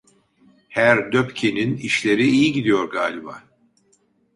Herr Döppke'nin işleri iyi gidiyor galiba!